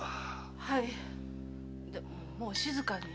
はいでももう静かに。